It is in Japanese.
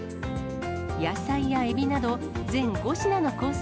野菜やエビなど、全５品のコース